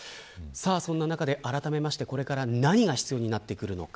そんな中であらためてこれから何が必要になるのか。